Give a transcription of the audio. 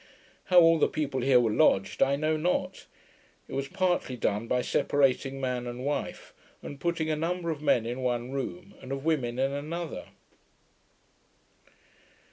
How all the people here were lodged, I know not. It was partly done by separating man and wife, and putting a number of men in one room, and of women in another.